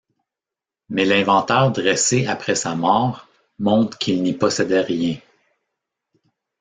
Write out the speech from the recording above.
Mais l’inventaire dressé après sa mort, montre qu’il n’y possédait rien.